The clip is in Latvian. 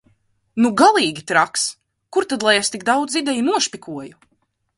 Nu galīgi traks! Kur tad lai es tik daudz ideju nošpikoju?